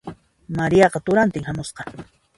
Mariaqa turantin hamusqa.